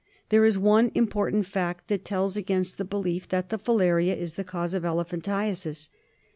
There is one important fact that tells against the belief that the filaria is the cause of elephantiasis.